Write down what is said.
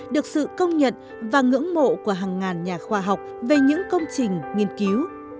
được sự công nhận và ngưỡng mộ của hàng ngàn nhà khoa học về những công trình nghiên cứu